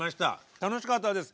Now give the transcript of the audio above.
楽しかったです。